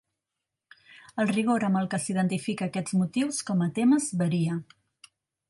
El rigor amb el que s'identifica aquests motius com a temes varia.